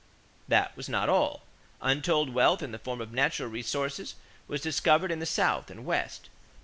That was not all. Untold wealth in the form of natural resources was discovered in the South and West.